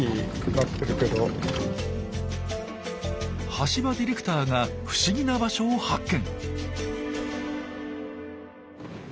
橋場ディレクターが不思議な場所を発見。